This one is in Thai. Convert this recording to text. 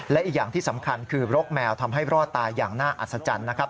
และอีกอย่างที่สำคัญคือรกแมวทำให้รอดตายอย่างน่าอัศจรรย์นะครับ